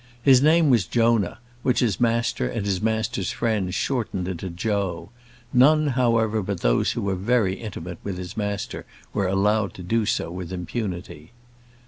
His name was Jonah, which his master and his master's friends shortened into Joe; none, however, but those who were very intimate with his master were allowed to do so with impunity.